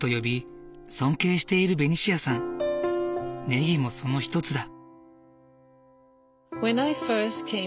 ネギもその一つだ。